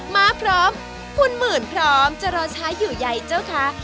มาพร้อมคุณหมื่นพร้อมจะรอช้าอยู่ใยเจ้าคะ